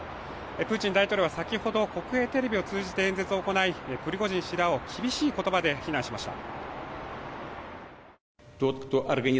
プーチン大統領は先ほど、国営テレビを通じて演説を行い、プリゴジン氏らを厳しい言葉で非難しました。